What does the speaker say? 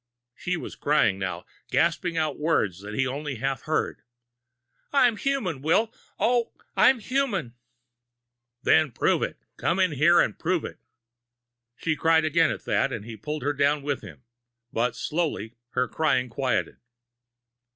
She was crying now, gasping out words that he only half heard. "I'm human, Will. Oh, I'm human!" "Then prove it! Come here, and prove it!" She cried again at that, as he pulled her down with him. But slowly her crying quieted.